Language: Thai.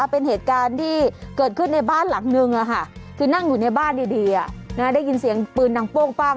เป็นเหตุการณ์ที่เกิดขึ้นในบ้านหลังนึงคือนั่งอยู่ในบ้านดีได้ยินเสียงปืนดังโป้งปั้ง